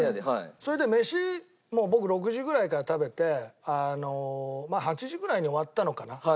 それで飯もう僕６時ぐらいから食べてまあ８時ぐらいに終わったのかな。